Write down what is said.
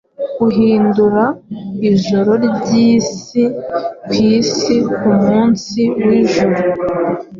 uhindura ijoro ryisi kwisi kumunsi wijuru